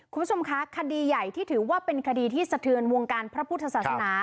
คุณผู้ชมคะคดีใหญ่ที่ถือว่าเป็นคดีที่สะเทือนวงการพระพุทธศาสนา